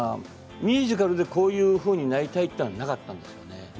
ミュージカルでこういうふうになりたいというのはなかったんです。